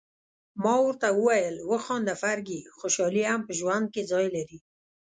ما ورته وویل: وخانده فرګي، خوشالي هم په ژوند کي ځای لري.